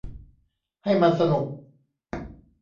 ให้มันสนุก